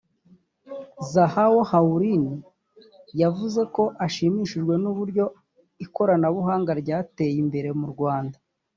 Zhao Houlin yavuze ko ashimishijwe n’ uburyo ikoranabuhanga ryateye imbere mu Rwanda